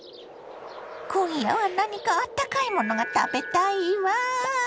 今夜は何かあったかいものが食べたいわ。